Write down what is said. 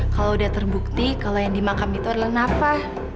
kalau udah terbukti kalau yang dimakam itu adalah nafa